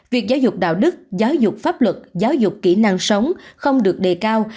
việc giáo dục đạo đức giáo dục pháp luật giáo dục kỹ năng sống không được đề cao